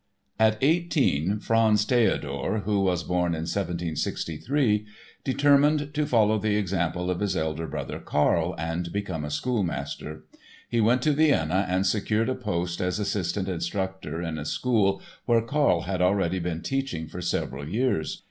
At eighteen Franz Theodor, who was born in 1763, determined to follow the example of his elder brother, Karl, and become a schoolmaster. He went to Vienna and secured a post as assistant instructor in a school where Karl had already been teaching for several years.